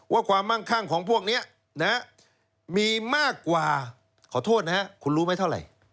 ความมั่งคั่งของพวกนี้มีมากกว่าขอโทษนะครับคุณรู้ไหมเท่าไหร่